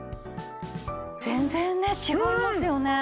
全然ね違いますよね。